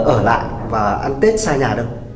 ở lại và ăn tết xa nhà đâu